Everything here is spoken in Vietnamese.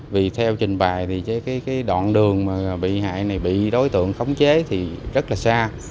vì theo trình bài thì cái đoạn đường mà bị hại này bị đối tượng khống chế thì rất là xa